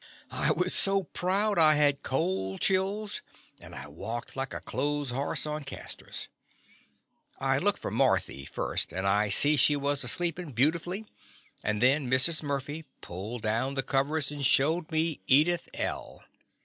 ^' I was so proud I had cold chills, and I walked like a clothes horse on castors. I looked for Marthy first, and I see she was a sleepin' beautiful, and then Mrs. Murphy pulled down the covers and showed me Edith L.